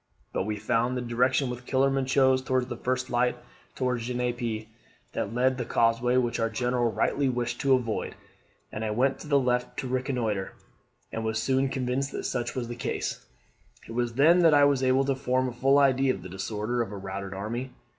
But we found that the direction which Kellerman chose was towards the first light, towards Genappe. That led to the causeway which our general rightly wished to avoid I went to the left to reconnoitre, and was soon convinced that such was the case. It was then that I was able to form a full idea of the disorder of a routed army.